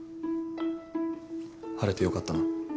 晴れてよかったな。